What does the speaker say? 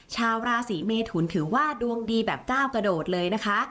ชาวราศีเมทุนถือว่าดวงดีแบบก้าวกระโดดเลยนะคะ